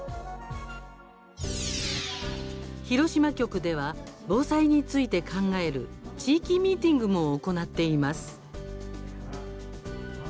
広島局では防災について考える地域ミーティングも行っています。